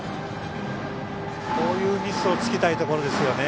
こういうミスをつきたいところですよね。